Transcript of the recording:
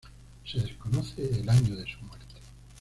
Se desconoce el año de su muerte.